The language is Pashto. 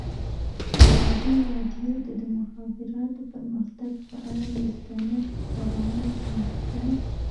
ازادي راډیو د د مخابراتو پرمختګ پر اړه مستند خپرونه چمتو کړې.